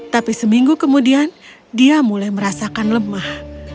tapi seminggu kemudian dia mulai merasakan lemah